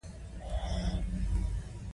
تاریخ د تیر وخت پوهنه ده